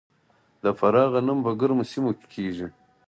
د فراه غنم په ګرمو سیمو کې کیږي.